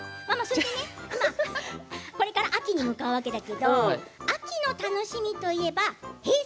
これから秋に向かうわけだけど秋の楽しみといえばＨｅｙ！